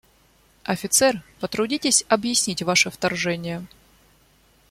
Офицер, потрудитесь объяснить ваше вторжение.